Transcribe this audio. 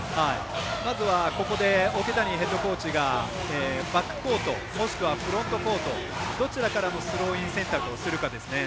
まずはここで桶谷ヘッドコーチがバックコートもしくはフロントコートどちらからのスローイン選択をするかですね。